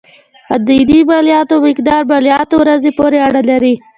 اداينې مالياتو مقدار مالياتو ورځې پورې اړه لري.